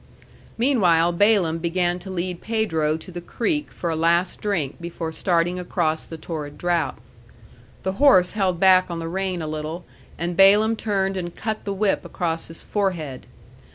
Meanwhile Balaam began to lead Pedro to the creek for a last drink before starting across the torrid drought. The horse held back on the rein a little, and Balaam turned and cut the whip across his forehead.